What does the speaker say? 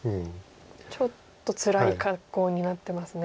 ちょっとつらい格好になってますね。